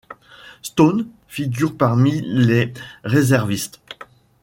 Stones figure parmi les réservistes.